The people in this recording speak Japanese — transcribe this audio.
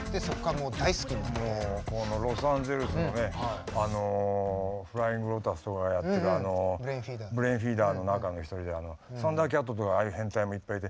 もうこのロサンゼルスのねフライング・ロータスとかがやってるブレインフィーダーの中の一人でサンダーキャットとかああいう変態もいっぱいいて。